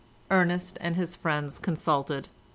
Ernest and his friends consulted.